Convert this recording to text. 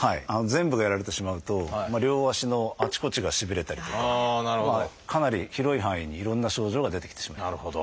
全部がやられてしまうと両足のあちこちがしびれたりとかかなり広い範囲にいろんな症状が出てきてしまう。